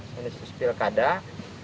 saya disuspir kadak